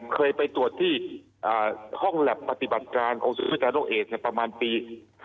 เคยไปตรวจที่ห้องแล็บปฏิบัติการของศูนย์บริการโรคเอดประมาณปี๕๗